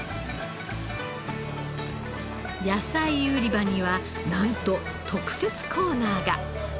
野菜売り場にはなんと特設コーナーが。